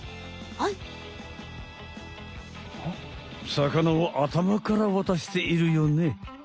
魚を頭から渡しているよね。